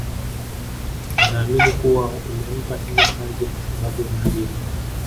wanaamini kuwa umempa hiyo kazi kwa sababu unaamini